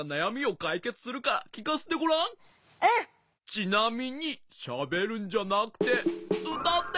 ちなみにしゃべるんじゃなくてうたって。